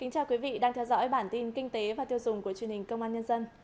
chào mừng quý vị đến với bản tin kinh tế và tiêu dùng của truyền hình công an nhân dân